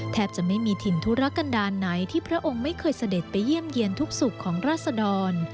แทบจะไม่มีถิ่นธุรกันดาลไหนที่พระองค์ไม่เคยเสด็จไปเยี่ยมเยี่ยนทุกสุขของราศดร